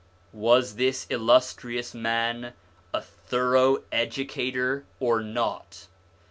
Was this illustrious man a thorough educator or not